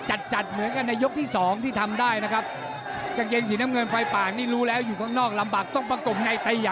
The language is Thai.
เอ่อจริงถึงตรงนี้นะ